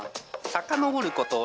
さかのぼること